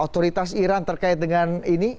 otoritas iran terkait dengan ini